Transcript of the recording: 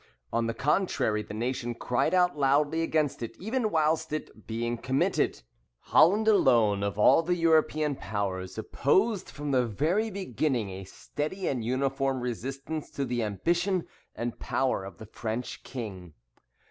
On the contrary, the nation cried out loudly against it even whilst it was being committed." [Bolingbroke, vol. ii p. 418.] Holland alone, of all the European powers, opposed from the very beginning a steady and uniform resistance to the ambition and power of the French king.